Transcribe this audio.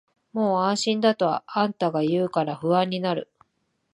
もう安心だとあんたが言うから不安になる